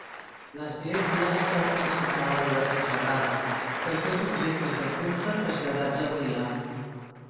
L'església ha estat transformada diverses vegades i els seus objectes de culte traslladats a Moià.